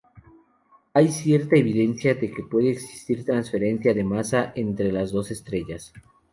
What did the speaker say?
Hay cierta evidencia de que puede existir transferencia de masa entre las dos estrellas.